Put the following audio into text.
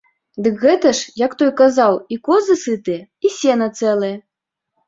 Дык гэта ж, як той казаў, і козы сытыя, і сена цэлае.